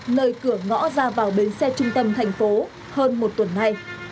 nơi cửa ngõ ra vào bến xe trung tâm thành phố hơn một tuần nay